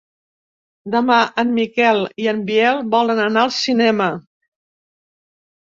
Demà en Miquel i en Biel volen anar al cinema.